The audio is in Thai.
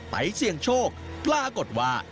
ไปเสี่ยงโชคปลากฎว่า